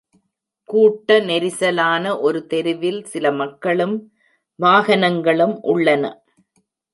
கூட்டநெரிசலான ஒரு தெருவில் சில மக்களும் வாகனங்களும் உள்ளன.